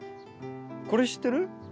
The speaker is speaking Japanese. これ知ってる？